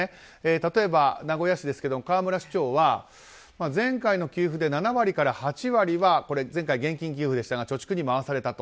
例えば名古屋市の河村市長は前回の給付で７割から８割は前回現金給付でしたが貯蓄に回されたと。